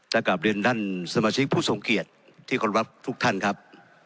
กลับเรียนท่านสมาชิกผู้ทรงเกียจที่ขอรับทุกท่านครับ